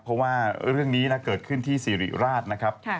เพราะว่าเรื่องนี้เกิดขึ้นที่สิริราชนะครับ